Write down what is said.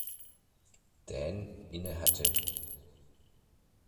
Dan innehatte.